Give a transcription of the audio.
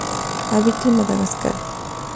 Habita en Madagascar.